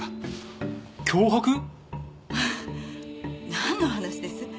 なんの話です？